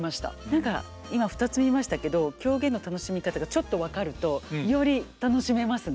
何か今２つ見ましたけど狂言の楽しみ方がちょっと分かるとより楽しめますね。